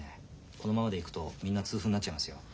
このままでいくとみんな痛風になっちゃいますよ。